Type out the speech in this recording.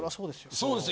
そうですよ